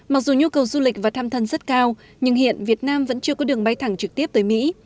mặc dù nhu cầu du lịch và thăm thân rất cao nhưng hiện việt nam vẫn chưa có đường bay thẳng trực tiếp tới mỹ